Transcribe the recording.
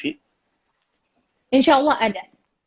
insya allah ada